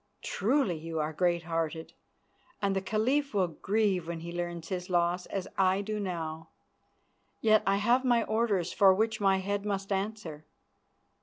"Truly, you are great hearted, and the Caliph will grieve when he learns his loss, as I do now. Yet I have my orders, for which my head must answer.